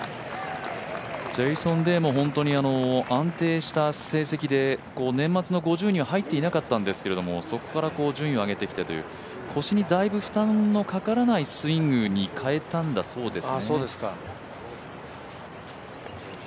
ジェイソン・デイも本当に安定した成績で年末の５０には入っていなかったんですけどそこから順位を上げてきてという腰にだいぶ負担がかからないスイングに変えたそうです。